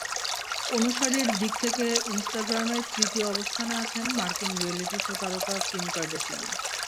অনুসারীর দিক থেকে ইনস্টাগ্রামে তৃতীয় অবস্থানে আছেন মার্কিন রিয়ালিটি শো তারকা কিম কার্ডাশিয়ান।